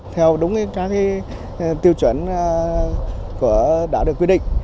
theo đúng các tiêu chuẩn đã được quyết định